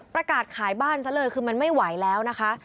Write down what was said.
ประกาศขายบ้านซะเลยคือมันไม่ไหวแล้วนะคะ